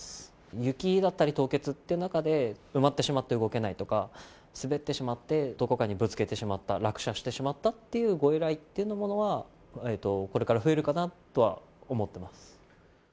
雪だったり凍結という中で、埋まってしまって動けないとか、滑ってしまってどこかにぶつけてしまった、落車してしまったっていうご依頼っていうようなものは、これから増えるかなとは思ってます。